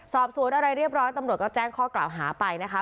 สอบสวนอะไรเรียบร้อยตำรวจก็แจ้งข้อกล่าวหาไปนะคะ